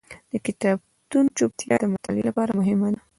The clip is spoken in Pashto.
د کتابتون چوپتیا د مطالعې لپاره مهمه ده.